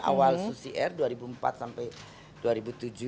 awal susi air dua ribu empat sampai dua ribu tujuh